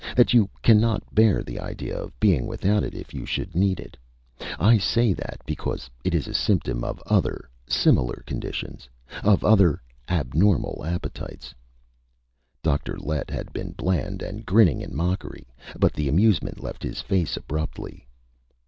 That you cannot bear the idea of being without it if you should need it. I say that because it is a symptom of other ... similar conditions. Of other ... abnormal appetites." Dr. Lett had been bland and grinning in mockery. But the amusement left his face abruptly.